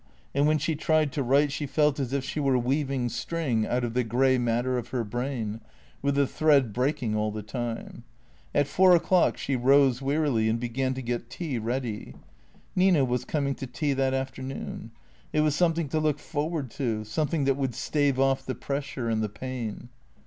And when she tried to write she felt as if she were weaving string out of the grey matter of her brain, with the thread breaking all the time. At four o'clock she rose wearily and began to get tea ready. Nina was coming to tea that afternoon. It was something to look forward to, something that would stave off the pressure and the pain.